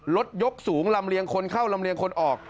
ยกสูงลำเลียงคนเข้าลำเลียงคนออก